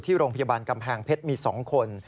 โรงพยาบาลกำแพงเพชรมี๒คน